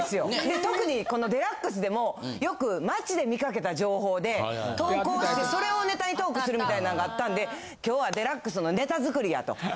で特にこの『ＤＸ』でもよく街で見かけた情報で投稿してそれをネタにトークするみたいなんがあったんで今日は『ＤＸ』のネタ作りやと。